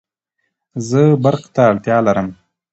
زه برق ته اړتیا لرم